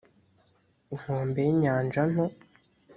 inkombe y inyanja nto